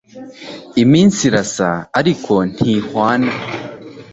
iminsi irasa ariko ntihwana